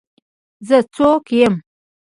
زه څوک یم.